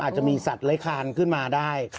อาจจะมีสัตว์เล้คานขึ้นมาได้